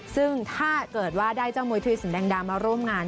ซึ่งถ้าเกิดว่าได้เจ้ามวยธุรสินแดงดามาร่วมงาน